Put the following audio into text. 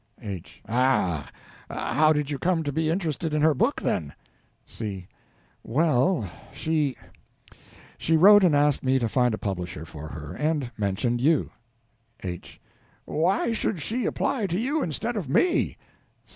H. Ah h. How did you come to be interested in her book, then? C. Well, she she wrote and asked me to find a publisher for her, and mentioned you. H. Why should she apply to you instead of me?